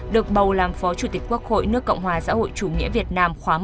được bầu làm phó chủ tịch quốc hội nước cộng hòa xã hội chủ nghĩa việt nam khóa một mươi ba